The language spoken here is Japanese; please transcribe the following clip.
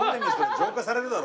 浄化されるだろ。